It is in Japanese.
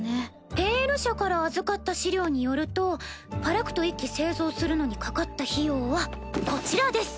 「ペイル社」から預かった資料によるとファラクト１機製造するのにかかった費用はこちらです。